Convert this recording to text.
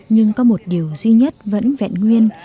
nhưng có một điều duy nhất vẫn vẹn nguyên